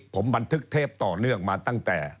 ผมบันทึกเทปต่อเนื่องมาตั้งแต่